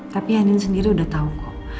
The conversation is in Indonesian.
tapi andin sendiri udah tau kok